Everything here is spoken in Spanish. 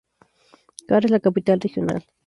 Kara es la capital regional.